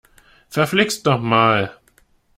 Verflixt noch mal!